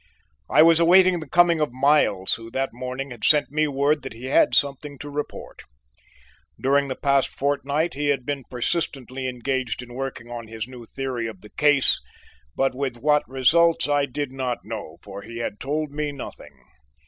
I was awaiting the coming of Miles, who that morning had sent me word that he had something to report. During the past fortnight he had been persistently engaged in working on his new theory of the case, but with what results I did not know, for he had told me nothing.